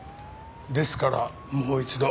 ですからもう一度。